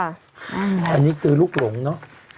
อันนี้คือลูกหลงเนอะ